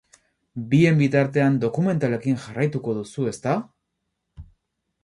Bien bitartean dokumentalekin jarraitu duzu, ezta?